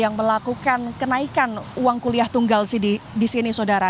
yang melakukan kenaikan uang kuliah tunggal di sini saudara